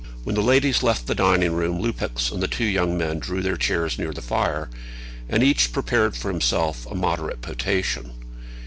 When the ladies left the dining room Lupex and the two young men drew their chairs near the fire, and each prepared for himself a moderate potation.